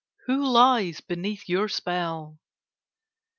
Who lies beneath your spell?